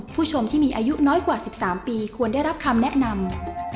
ผู้ชมที่มีอายุน้อยกว่า๑๓ปีควรได้รับคำแนะนำ